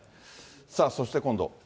さあ、そして今度。